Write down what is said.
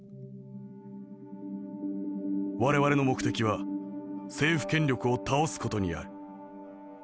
我々の目的は政府権力を倒す事にある。